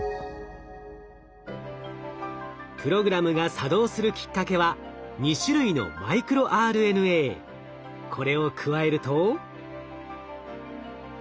プログラムが作動するきっかけはこれを加えると。